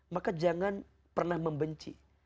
maka jangan pernah membenci